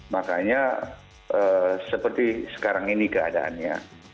makanya seperti sekarang ini keadaannya